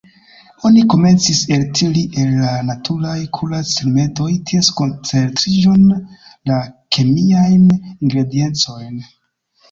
Oni komencis eltiri el la naturaj kurac-rimedoj ties koncentriĝon, la kemiajn ingrediencojn.